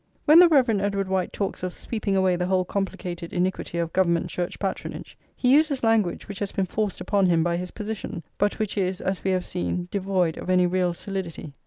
When the Rev. Edward White talks of "sweeping away the whole complicated iniquity of Government Church patronage," he uses language which has been forced upon him by his position, but which is, as we have seen, devoid of any real solidity.